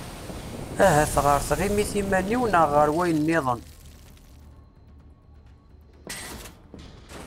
Ahat ɣer tɣimit iman-iw neɣ ɣer wayen-nniḍen.